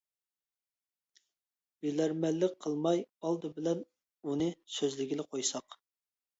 بىلەرمەنلىك قىلماي، ئالدى بىلەن ئۇنى سۆزلىگىلى قويساق!